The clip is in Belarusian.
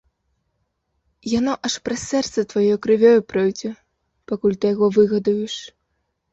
Яно аж праз сэрца тваё крывёю пройдзе, пакуль ты яго выгадуеш.